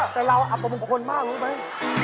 แต่เราอับบุคคลมากรู้ไหม